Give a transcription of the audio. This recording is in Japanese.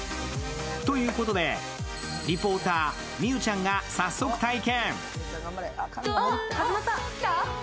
ということで、リポーター、美羽ちゃんが早速、体験。